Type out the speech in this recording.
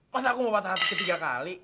mas aku mau patah hati ketiga kali